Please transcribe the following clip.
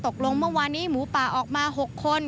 ตกลงเมื่อวานนี้หมูป่าออกมา๖คน